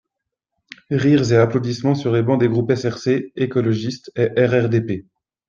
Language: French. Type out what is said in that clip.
(Rires et applaudissements sur les bancs des groupes SRC, écologiste et RRDP.